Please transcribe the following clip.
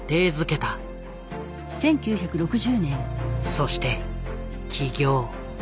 そして起業。